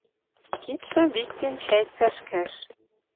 Кидшӹм виктен чӓй цӓшкӓш: